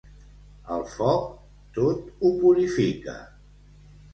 El foc tot ho purifica.